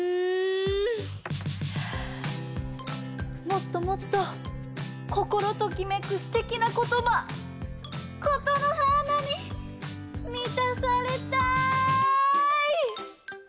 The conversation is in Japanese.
もっともっとこころときめくすてきなことば「ことのはーな」にみたされたい！